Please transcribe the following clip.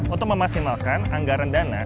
untuk memaksimalkan anggaran dana